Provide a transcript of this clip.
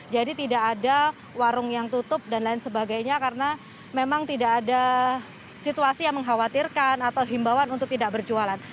jadi tidak ada warung yang tutup dan lain sebagainya karena memang tidak ada situasi yang mengkhawatirkan atau himbawan untuk tidak berjualan